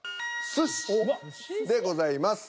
「寿司」でございます。